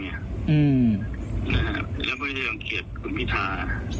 เป็นตัวผู้ใจและไม่ได้อ่านเกลียดคุณพิทา